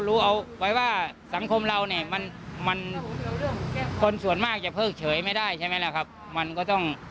ถูกต้อง